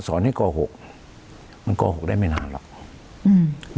ศรให้กล่าวหกเหมือนกล้าหกได้ไม่นานหรอกอืม